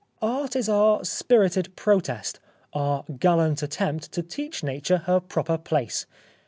Art is our spirited protest, our gallant attempt to teach Nature her proper place.